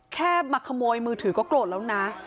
แค่มาขโมยมือถือก็โกรธแล้วนะ